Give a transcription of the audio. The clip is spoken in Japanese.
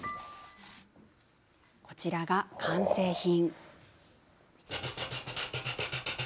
こちらが完成品。